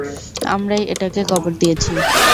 আমরাই এটাকে কবর দিয়েছি।